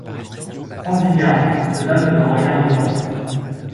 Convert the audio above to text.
Prends-y garde, cela ne te regarde pas.